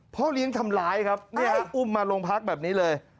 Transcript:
พ่อเลี้ยงทำร้ายครับเนี่ยอุ้มมาโรงพักแบบนี้เลย